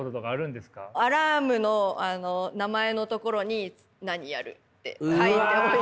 アラームの名前の所に何やるって書いておいて。